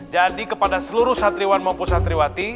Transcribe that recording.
jadi kepada seluruh santriwan maupun santriwati